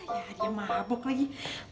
ya dia mabuk lagi